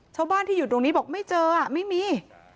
ชาวบ้านที่อยู่ตรงนี้บอกไม่เจอไม่มี